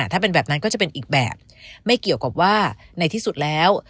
ถ้าเป็นแบบนั้นก็จะเป็นอีกแบบไม่เกี่ยวกับว่าในที่สุดแล้ว